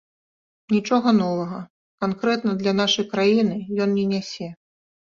Нічога новага канкрэтна для нашай краіны ён не нясе.